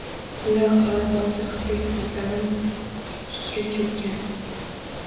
Kunlar qora bosiriqdek ko’zlarim ichiga cho’kkan